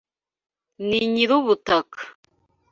Ni nyir'ubutaka.